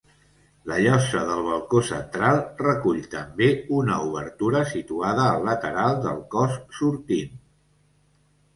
La llosa del balcó central recull també una obertura situada al lateral del cos sortint.